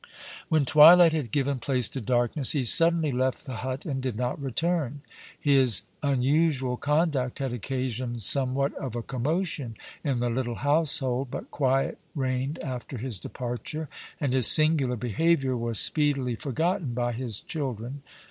When twilight had given place to darkness, he suddenly left the hut and did not return. His unusual conduct had occasioned somewhat of a commotion in the little household, but quiet reigned after his departure and his singular behavior was speedily forgotten by his children.